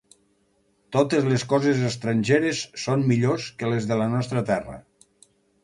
Totes les coses estrangeres són millors que les de la nostra terra.